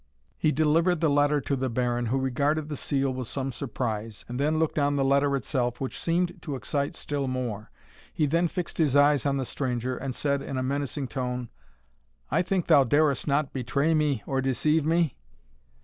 He delivered the letter to the Baron, who regarded the seal with some surprise, and then looked on the letter itself, which seemed to excite still more. He then fixed his eyes on the stranger, and said, in a menacing tone, "I think thou darest not betray me or deceive me?"